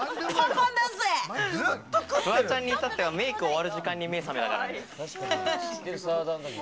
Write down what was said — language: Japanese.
パフワちゃんにいたっては、メイク終わる時間に目覚めたからね。